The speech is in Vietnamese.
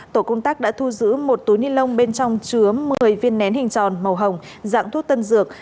tổ công tác đã thu giữ một túi ni lông bên trong chứa một mươi viên nén hình tròn màu hồng dạng thuốc tân dược